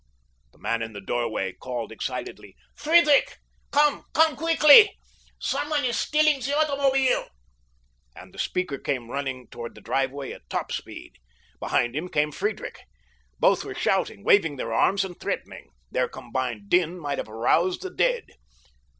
The man in the doorway called excitedly, "Friedrich! Come! Come quickly! Someone is stealing the automobile," and the speaker came running toward the driveway at top speed. Behind him came Friedrich. Both were shouting, waving their arms and threatening. Their combined din might have aroused the dead.